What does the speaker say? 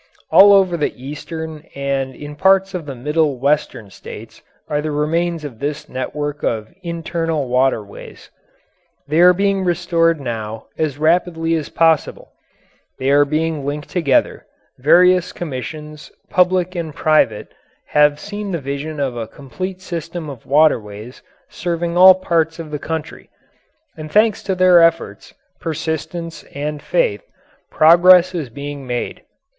All over the Eastern and in parts of the Middle Western states are the remains of this network of internal waterways. They are being restored now as rapidly as possible; they are being linked together; various commissions, public and private, have seen the vision of a complete system of waterways serving all parts of the country, and thanks to their efforts, persistence, and faith, progress is being made.